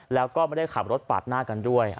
แล้วก็ไม่ได้ขับรถปาดหน้ากันด้วย